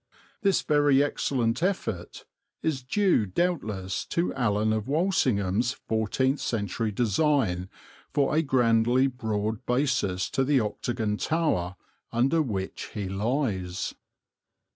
This very excellent effect is due doubtless to Alan of Walsingham's fourteenth century design for a grandly broad basis to the octagon tower under which he lies.